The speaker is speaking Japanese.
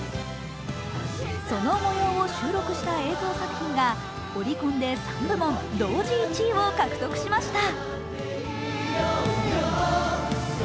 その模様を収録した映像作品がオリコンで３部門同時１位を獲得しました。